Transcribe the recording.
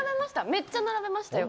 めっちゃ並べましたよ。